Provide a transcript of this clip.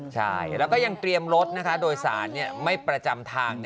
ใช่แล้วก็ยังเตรียมรถโดยสารไม่ประจำทาง